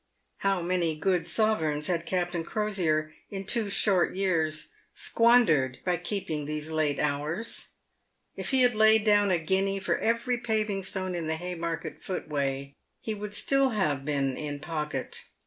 How many good sovereigns had Captain Crosier, in two short years, squandered by keeping these late hours ! If he had laid down a guinea for every paving stone in the Haymarket footway he would still have been in pocket.